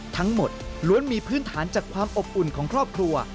ล้วนมีพื้นฐานจากความอบอุ่นของครอบครัว